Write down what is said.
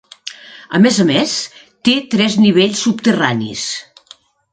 A més a més, té tres nivells subterranis.